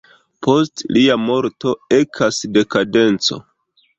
Post lia morto ekas dekadenco.